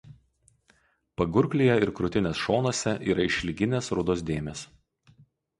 Pagurklyje ir krūtinės šonuose yra išilginės rudos dėmės.